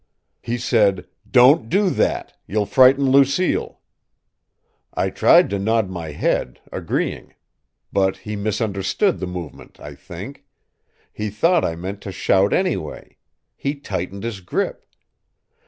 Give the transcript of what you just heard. "He said, 'Don't do that! You'll frighten Lucille!' I tried to nod my head, agreeing. But he misunderstood the movement, I think. He thought I meant to shout anyway; he tightened his grip.